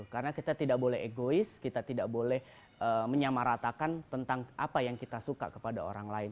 karena kita tidak boleh egois kita tidak boleh menyamaratakan tentang apa yang kita suka kepada orang lain